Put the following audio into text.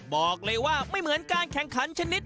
บอกเลยว่าไม่เหมือนการแข่งขันชนิด